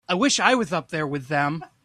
I wish I was up there with them.